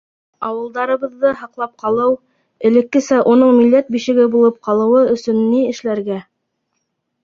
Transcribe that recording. Ауылдарыбыҙҙы һаҡлап ҡалыу, элеккесә уның милләт бишеге булып ҡалыуы өсөн ни эшләргә?